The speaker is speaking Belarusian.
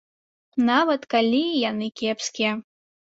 Нават калі яны кепскія!